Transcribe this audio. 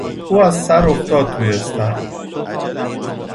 او از سر افتاد توی استخر.